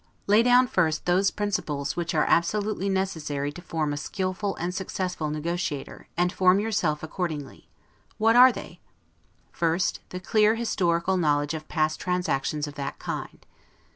Lay down first those principles which are absolutely necessary to form a skillful and successful negotiator, and form yourself accordingly. What are they? First, the clear historical knowledge of past transactions of that kind.